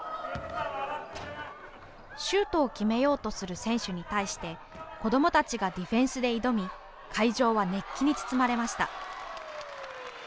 シュートを決めようとする選手に対して子どもたちがディフェンスで挑み会場は熱気に包まれました。